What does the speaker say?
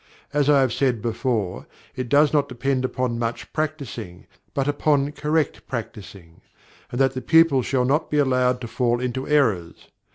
As I have said before, it does not depend upon much practising, but upon correct practising; and that the pupils shall not be allowed to fall into errors.